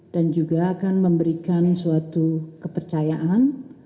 dan juga akan memberikan suatu kepercayaan